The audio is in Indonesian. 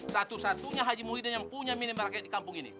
satu satunya haji muhyiddin yang punya minimarket di kampung ini